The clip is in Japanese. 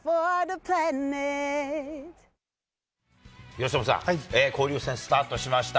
由伸さん、交流戦、スタートしました。